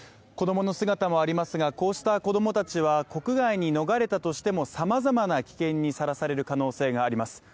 子供の姿もありますがこうした子供たちは国外に逃れたとしてもさまざまな危険にさらされる可能性があります。